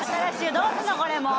どうすんのこれもう。